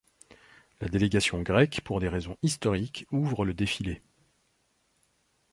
La délégation grecque, pour des raisons historiques, ouvre le défilé.